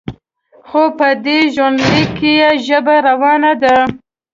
خو په دې ژوندلیک کې یې ژبه روانه ده.